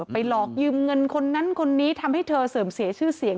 หลอกยืมเงินคนนั้นคนนี้ทำให้เธอเสื่อมเสียชื่อเสียง